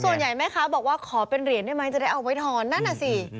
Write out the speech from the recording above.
แม่ค้าบอกว่าขอเป็นเหรียญได้ไหมจะได้เอาไว้ทอนนั่นน่ะสิ